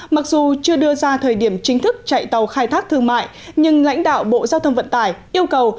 mặc dù chưa đưa ra thời điểm chính thức chạy tàu khai thác thương mại nhưng lãnh đạo bộ giao thông vận tải yêu cầu